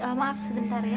oh maaf sebentar ya